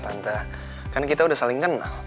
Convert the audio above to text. tante kan kita udah saling kenal